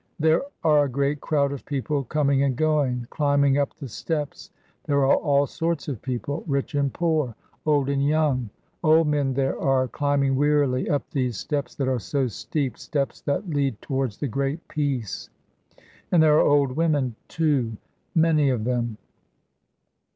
There are a great crowd of people coming and going, climbing up the steps. There are all sorts of people, rich and poor, old and young. Old men there are, climbing wearily up these steps that are so steep, steps that lead towards the Great Peace; and there are old women, too many of them.